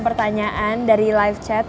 pertanyaan dari live chat